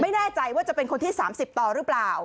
ไม่แน่ใจว่าจะเป็นคนที่๓๐ต่อหรือเปล่า